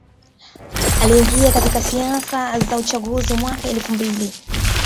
Aliingia katika siasa za uchaguzi mwaka elfu mbili